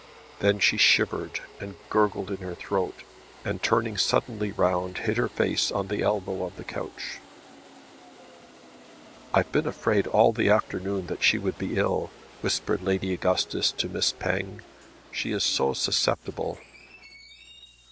Then she shivered, and gurgled in her throat, and turning suddenly round, hid her face on the elbow of the couch. "I've been afraid all the afternoon that she would be ill," whispered Lady Augustus to Miss Penge. "She is so susceptible!"